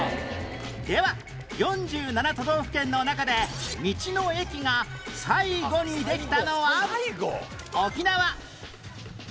では４７都道府県の中で道の駅が最後にできたのは